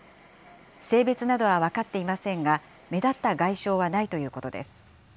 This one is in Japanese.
性別などは分かっていませんが、目立った外傷はないということです。